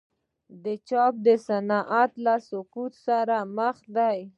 د چاپ صنعت له سقوط سره مخ دی؟